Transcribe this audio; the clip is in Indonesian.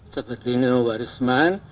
seperti nino warisman